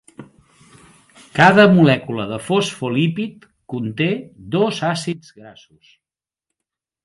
Cada molècula de fosfolípid conté dos àcids grassos.